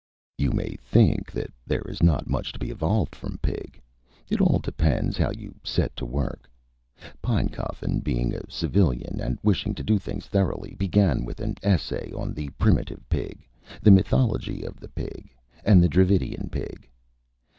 You may think that there is not much to be evolved from Pig. It all depends how you set to work. Pinecoffin being a Civilian and wishing to do things thoroughly, began with an essay on the Primitive Pig, the Mythology of the Pig, and the Dravidian Pig.